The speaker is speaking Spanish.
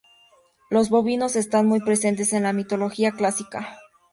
Los bovinos están muy presentes en la mitología clásica.